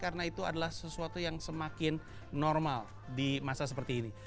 karena itu adalah sesuatu yang semakin normal di masa seperti ini